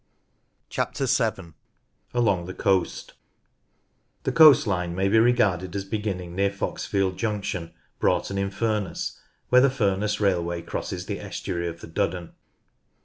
7. Along the Coast. The coast line may be regarded as beginning near Foxfield Junction, Broughton in Furness, where the Ful ness railway crosses the estuary of the Duddon.